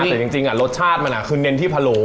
แต่จริงรสชาติมันคือเน้นที่พะโล